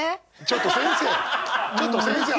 ちょっと先生！